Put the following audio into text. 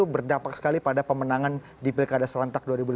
berdampak sekali pada pemenangan di pilkada serentak dua ribu delapan belas